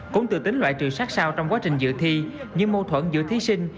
cũng từ tính loại trừ sát sao trong quá trình dự thi những mâu thuẫn giữa thí sinh